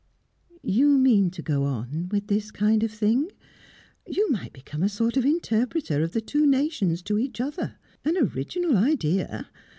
"You mean to go on with this kind of thing? You might become a sort of interpreter of the two nations to each other. An original idea.